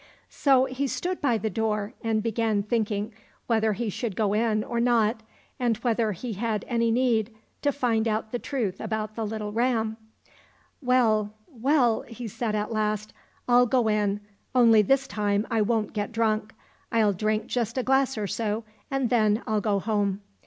So he stood by the door and began thinking whether he should go in or not, and whether he had any need to find out the truth about the little ram. " Well, well," said he at last, 34 THE STORY OF THE WIND " rU go in, only this time I won't get drunk. I'll drink just a glass or so, and then I'll go home."